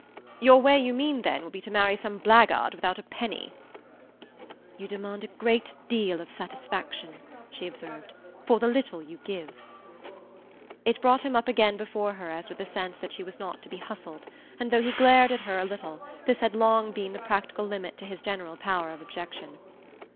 "Your way, you mean then, will be to marry some blackguard without a penny?" "You demand a great deal of satisfaction," she observed, "for the little you give." It brought him up again before her as with a sense that she was not to be hustled, and though he glared at her a little this had long been the practical limit to his general power of objection.